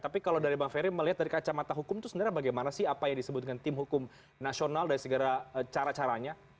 tapi kalau dari bang ferry melihat dari kacamata hukum itu sebenarnya bagaimana sih apa yang disebut dengan tim hukum nasional dari segala cara caranya